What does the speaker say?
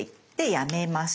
やめます。